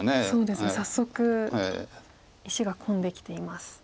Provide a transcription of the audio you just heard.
そうですね早速石が混んできています。